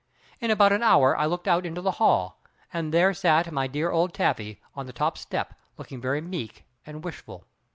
In about an hour I looked out into the hall, and there sat my dear old Taffy on the top step looking very meek and wishful.